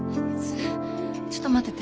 ちょっと待ってて。